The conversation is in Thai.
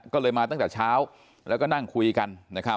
ก็เลยมาตั้งแต่เช้าแล้วก็นั่งคุยกัน